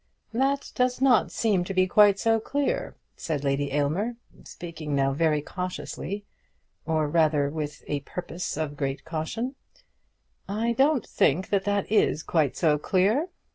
"That does not seem to be quite so clear," said Lady Aylmer, speaking now very cautiously, or rather with a purpose of great caution; "I don't think that that is quite so clear.